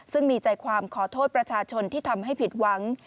ซึ่งมีใจความขอโทษประชาชนที่ทำให้ผิดหวัง